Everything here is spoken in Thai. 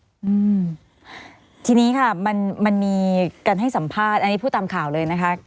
อืมทีนี้ค่ะมันมันมีการให้สัมภาษณ์อันนี้พูดตามข่าวเลยนะคะ